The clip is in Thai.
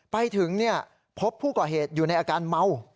ไปถึงพบผู้ก่อเหตุอยู่ในอาการเมา